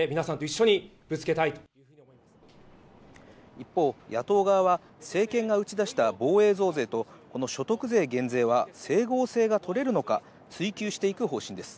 一方、野党側は政権が打ち出した防衛増税と、この所得税減税は整合性がとれるのか、追及していく方針です。